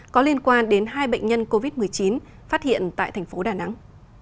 có liên quan đến hai bệnh nhân covid một mươi chín phát hiện tại thành phố đà nẵng